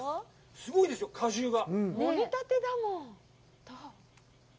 すごいですよ、果汁が！